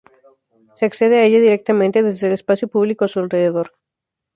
Se accede a ella directamente desde el espacio público a su alrededor.